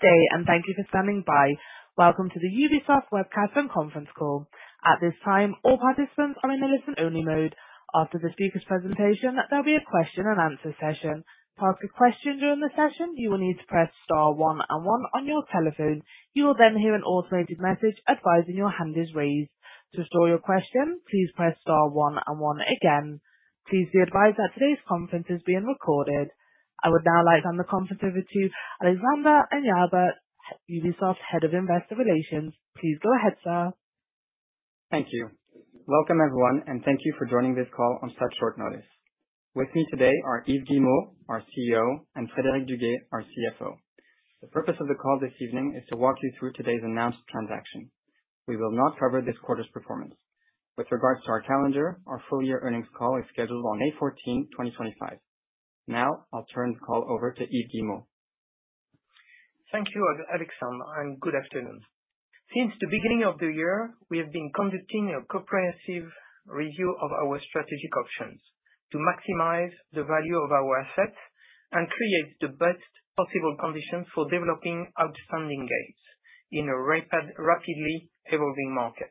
Good day, and thank you for standing by. Welcome to the Ubisoft Webcasts and Conference Call. At this time, all participants are in the listen-only mode. After the speaker's presentation, there'll be a question-and-answer session. To ask a question during the session, you will need to press star one and one on your telephone. You will then hear an automated message advising your hand is raised. To store your question, please press star one and one again. Please be advised that today's conference is being recorded. I would now like to hand the conference over to Alexandre Enjalbert, Ubisoft Head of Investor Relations. Please go ahead, sir. Thank you. Welcome, everyone, and thank you for joining this call on such short notice. With me today are Yves Guillemot, our CEO, and Frédérick Duguet, our CFO. The purpose of the call this evening is to walk you through today's announced transaction. We will not cover this quarter's performance. With regards to our calendar, our full-year earnings call is scheduled on May 14, 2025. Now, I'll turn the call over to Yves Guillemot. Thank you, Alexandre, and good afternoon. Since the beginning of the year, we have been conducting a comprehensive review of our strategic options to maximize the value of our assets and create the best possible conditions for developing outstanding games in a rapidly evolving market.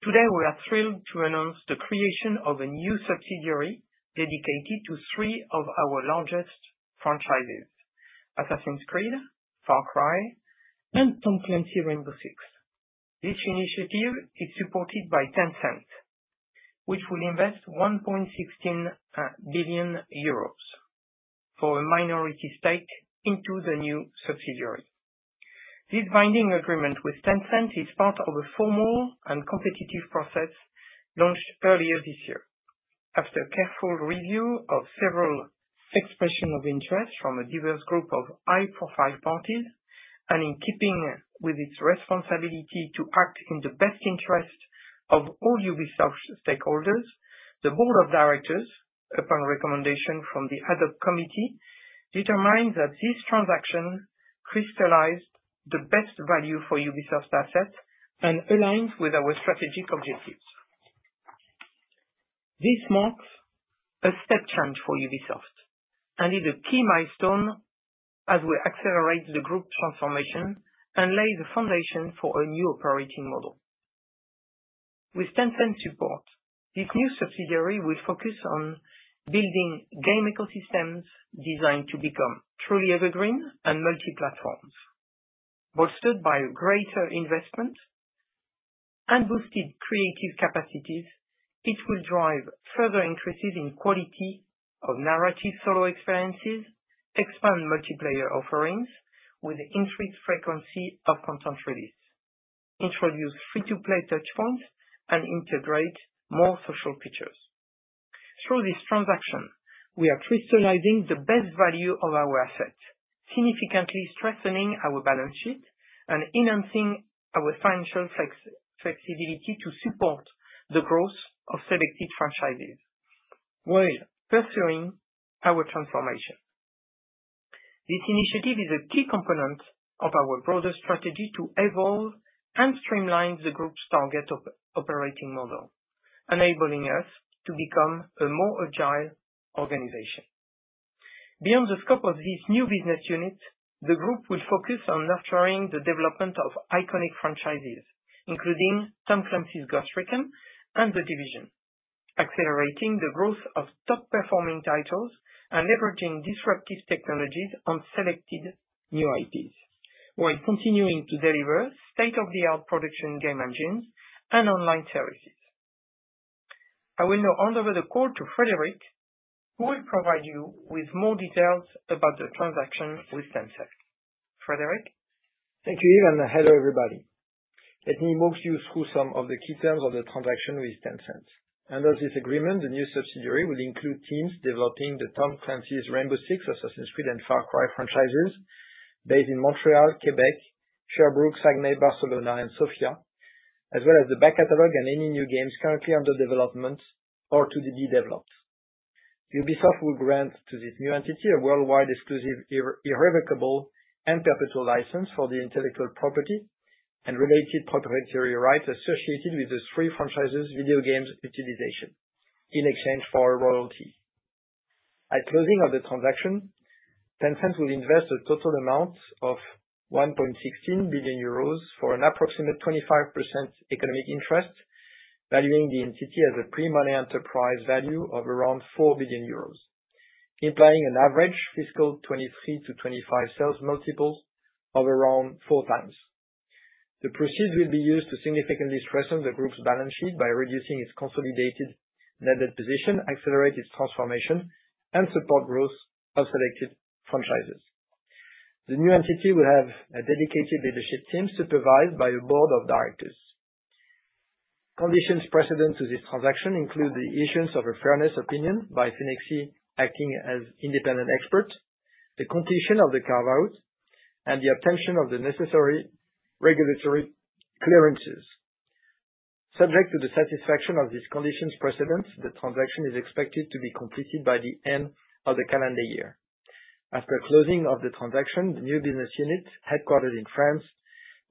Today, we are thrilled to announce the creation of a new subsidiary dedicated to three of our largest franchises: Assassin's Creed, Far Cry, and Tom Clancy's Rainbow Six. This initiative is supported by Tencent, which will invest 1.16 billion euros for a minority stake into the new subsidiary. This binding agreement with Tencent is part of a formal and competitive process launched earlier this year. After careful review of several expressions of interest from a diverse group of high-profile parties, and in keeping with its responsibility to act in the best interest of all Ubisoft stakeholders, the Board of Directors, upon recommendation from the Ad Hoc Committee, determined that this transaction crystallized the best value for Ubisoft assets and aligns with our strategic objectives. This marks a step change for Ubisoft, and is a key milestone as we accelerate the group transformation and lay the foundation for a new operating model. With Tencent's support, this new subsidiary will focus on building game ecosystems designed to become truly evergreen and multi-platforms. Bolstered by greater investment and boosted creative capacities, it will drive further increases in quality of narrative solo experiences, expand multiplayer offerings with increased frequency of content release, introduce free-to-play touchpoints, and integrate more social features. Through this transaction, we are crystallizing the best value of our assets, significantly strengthening our balance sheet and enhancing our financial flexibility to support the growth of selected franchises, while pursuing our transformation. This initiative is a key component of our broader strategy to evolve and streamline the group's target operating model, enabling us to become a more agile organization. Beyond the scope of this new business unit, the group will focus on nurturing the development of iconic franchises, including Tom Clancy's Ghost Recon and The Division, accelerating the growth of top-performing titles and leveraging disruptive technologies on selected new IPs, while continuing to deliver state-of-the-art production game engines and online services. I will now hand over the call to Frédérick, who will provide you with more details about the transaction with Tencent. Frédérick? Thank you, Yves, and hello, everybody. Let me walk you through some of the key terms of the transaction with Tencent. Under this agreement, the new subsidiary will include teams developing the Tom Clancy's Rainbow Six, Assassin's Creed, and Far Cry franchises based in Montreal, Quebec, Sherbrooke, Saguenay, Barcelona, and Sofia, as well as the back catalog and any new games currently under development or to be developed. Ubisoft will grant to this new entity a worldwide exclusive, irrevocable, and perpetual license for the intellectual property and related proprietary rights associated with the three franchises' video games utilization in exchange for royalty. At closing of the transaction, Tencent will invest a total amount of 1.16 billion euros for an approximate 25% economic interest, valuing the entity as a pre-money enterprise value of around 4 billion euros, implying an average fiscal 2023-2025 sales multiples of around four times. The proceeds will be used to significantly strengthen the group's balance sheet by reducing its consolidated net debt position, accelerate its transformation, and support growth of selected franchises. The new entity will have a dedicated leadership team supervised by a board of directors. Conditions precedent to this transaction include the issuance of a fairness opinion by Finexsi, acting as independent expert, the completion of the carve-out, and the obtention of the necessary regulatory clearances. Subject to the satisfaction of these conditions precedent, the transaction is expected to be completed by the end of the calendar year. After closing of the transaction, the new business unit, headquartered in France,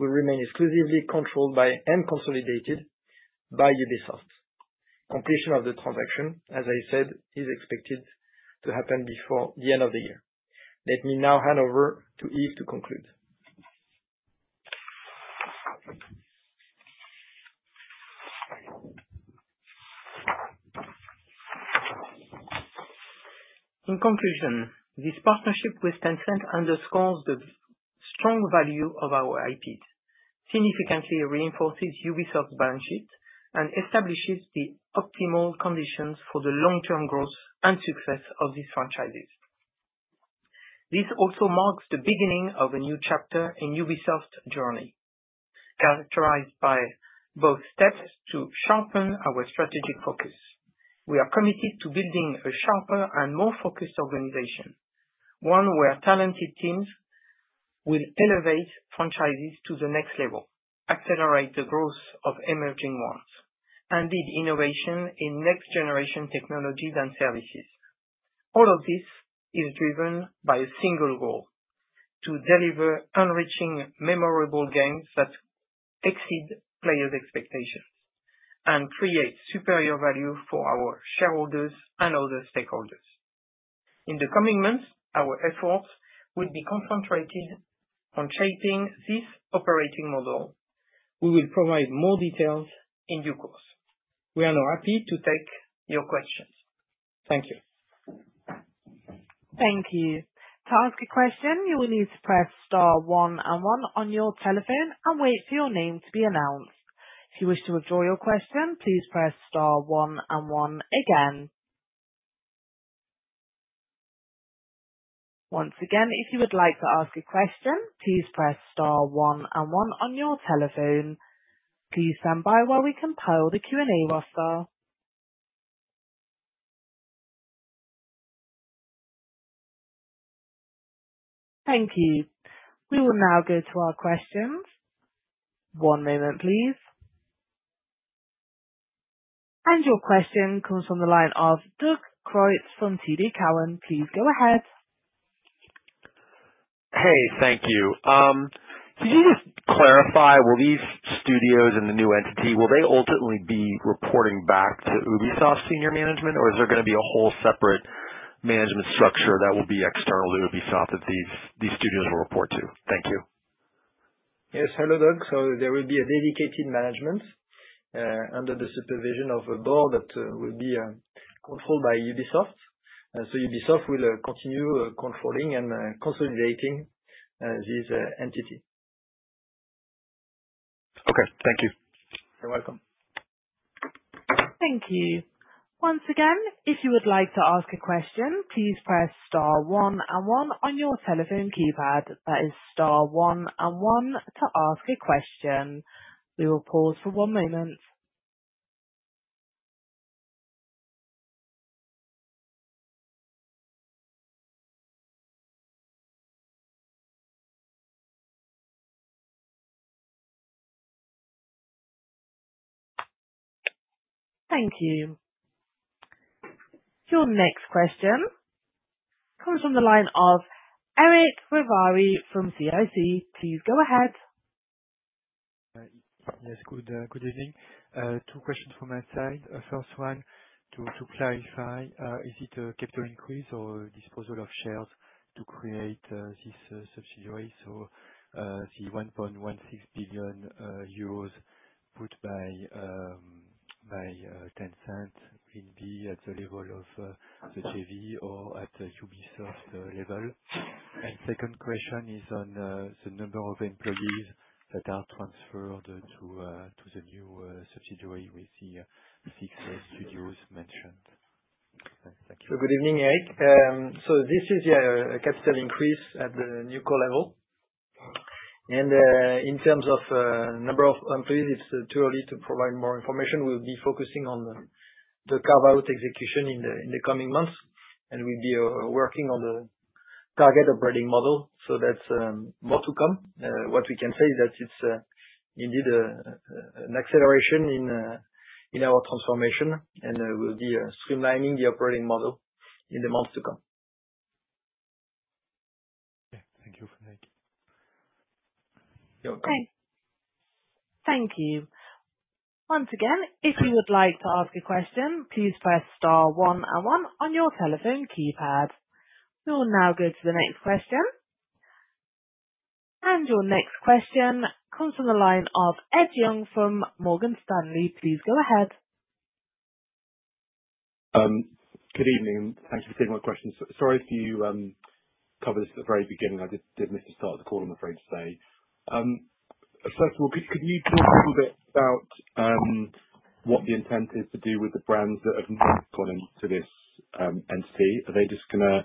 will remain exclusively controlled and consolidated by Ubisoft. Completion of the transaction, as I said, is expected to happen before the end of the year. Let me now hand over to Yves to conclude. In conclusion, this partnership with Tencent underscores the strong value of our IPs, significantly reinforces Ubisoft's balance sheet, and establishes the optimal conditions for the long-term growth and success of these franchises. This also marks the beginning of a new chapter in Ubisoft's journey, characterized by both steps to sharpen our strategic focus. We are committed to building a sharper and more focused organization, one where talented teams will elevate franchises to the next level, accelerate the growth of emerging ones, and lead innovation in next-generation technologies and services. All of this is driven by a single goal: to deliver enriching, memorable games that exceed players' expectations and create superior value for our shareholders and other stakeholders. In the coming months, our efforts will be concentrated on shaping this operating model. We will provide more details in due course. We are now happy to take your questions. Thank you. Thank you. To ask a question, you will need to press star one and one on your telephone and wait for your name to be announced. If you wish to withdraw your question, please press star one and one again. Once again, if you would like to ask a question, please press star one and one on your telephone. Please stand by while we compile the Q&A roster. Thank you. We will now go to our questions. One moment, please. Your question comes from the line of Doug Creutz from TD Cowen. Please go ahead. Hey, thank you. Could you just clarify, will these studios and the new entity, will they ultimately be reporting back to Ubisoft's senior management, or is there going to be a whole separate management structure that will be external to Ubisoft that these studios will report to? Thank you. Yes, hello, Doug. There will be a dedicated management under the supervision of a board that will be controlled by Ubisoft. Ubisoft will continue controlling and consolidating this entity. Okay, thank you. You're welcome. Thank you. Once again, if you would like to ask a question, please press star one and one on your telephone keypad. That is star one and one to ask a question. We will pause for one moment. Thank you. Your next question comes from the line of Eric Ravary from CIC. Please go ahead. Yes, good evening. Two questions from my side. First one, to clarify, is it a capital increase or disposal of shares to create this subsidiary? The 1.16 billion euros put by Tencent will be at the level of the JV or at the Ubisoft level? Second question is on the number of employees that are transferred to the new subsidiary with the six studios mentioned. Thank you. Good evening, Eric. This is a capital increase at the NewCo level. In terms of number of employees, it's too early to provide more information. We'll be focusing on the carve-out execution in the coming months, and we'll be working on the target operating model. That's more to come. What we can say is that it's indeed an acceleration in our transformation, and we'll be streamlining the operating model in the months to come. Okay, thank you for that. You're welcome. Okay. Thank you. Once again, if you would like to ask a question, please press star one and one on your telephone keypad. We will now go to the next question. Your next question comes from the line of Ed Young from Morgan Stanley. Please go ahead. Good evening, and thank you for taking my question. Sorry if you covered this at the very beginning. I did miss the start of the call, I'm afraid to say. First of all, could you talk a little bit about what the intent is to do with the brands that have gone into this entity? Are they just going to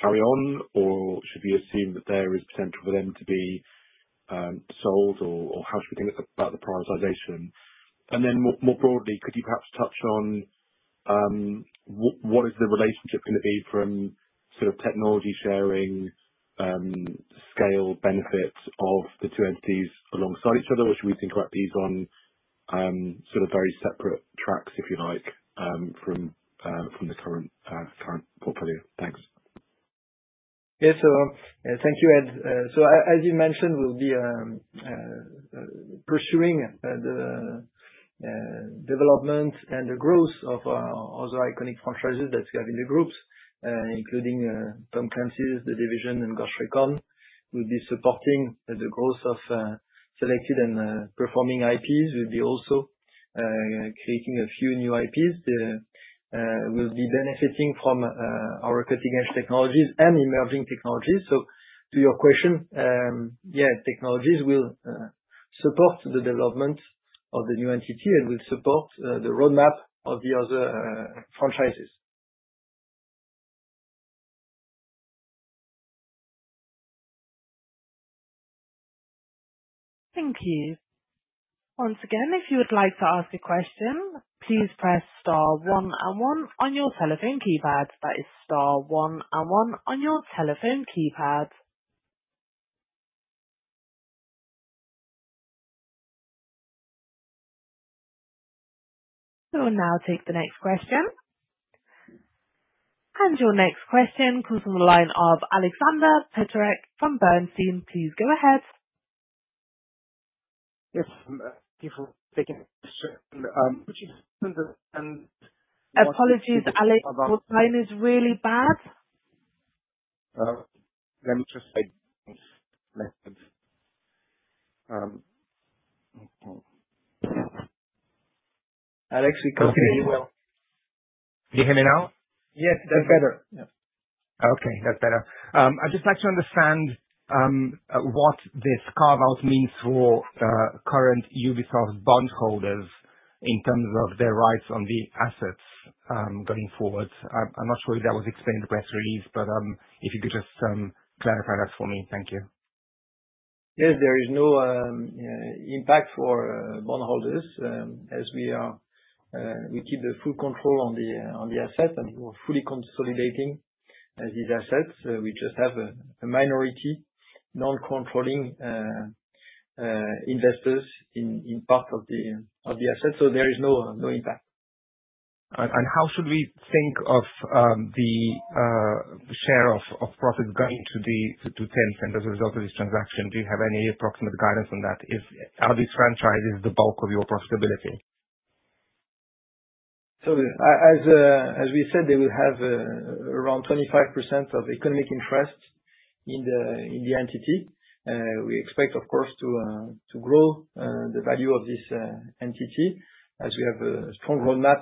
carry on, or should we assume that there is potential for them to be sold, or how should we think about the prioritization? More broadly, could you perhaps touch on what is the relationship going to be from sort of technology sharing, scale benefits of the two entities alongside each other? Should we think about these on sort of very separate tracks, if you like, from the current portfolio? Thanks. Yes, thank you, Ed. As you mentioned, we'll be pursuing the development and the growth of other iconic franchises that we have in the group, including Tom Clancy's The Division, and Ghost Recon. We'll be supporting the growth of selected and performing IPs. We'll be also creating a few new IPs. We'll be benefiting from our cutting-edge technologies and emerging technologies. To your question, yeah, technologies will support the development of the new entity and will support the roadmap of the other franchises. Thank you. Once again, if you would like to ask a question, please press star one and one on your telephone keypad. That is star one and one on your telephone keypad. We will now take the next question. Your next question comes from the line of Aleksander Peterc from Bernstein. Please go ahead. Yes, thank you for taking the question. Could you understand? Apologies, Alex, your line is really bad. Let me just. IDs. Alex, we can hear you well. Can you hear me now? Yes, that's better. Okay, that's better. I'd just like to understand what this carve-out means for current Ubisoft bondholders in terms of their rights on the assets going forward. I'm not sure if that was explained in the press release, but if you could just clarify that for me. Thank you. Yes, there is no impact for bondholders as we keep the full control on the asset and we're fully consolidating these assets. We just have a minority non-controlling investors in part of the assets, so there is no impact. How should we think of the share of profits going to Tencent as a result of this transaction? Do you have any approximate guidance on that? Are these franchises the bulk of your profitability? As we said, they will have around 25% of economic interest in the entity. We expect, of course, to grow the value of this entity as we have a strong roadmap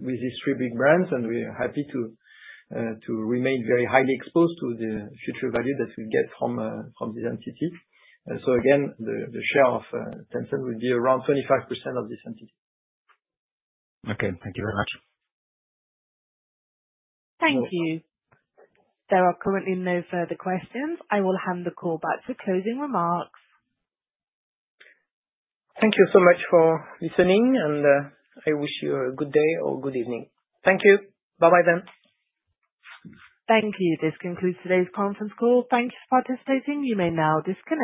with these three big brands, and we are happy to remain very highly exposed to the future value that we get from this entity. Again, the share of Tencent will be around 25% of this entity. Okay, thank you very much. Thank you. There are currently no further questions. I will hand the call back for closing remarks. Thank you so much for listening, and I wish you a good day or good evening. Thank you. Bye-bye then. Thank you. This concludes today's conference call. Thank you for participating. You may now disconnect.